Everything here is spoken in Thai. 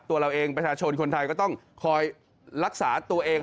ตัวเราเองประชาชนคนไทยก็ต้องคอยรักษาตัวเอง